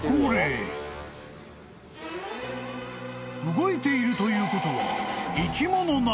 ［動いているということは］